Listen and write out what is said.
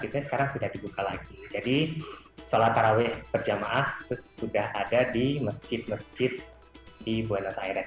itu sekarang sudah dibuka lagi jadi sholat taraweeh berjamaah sudah ada di masjid masjid di buenos aires